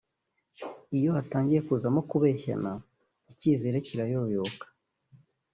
iyo hatangiye kuzamo kubeshyana icyizere kirayoyoka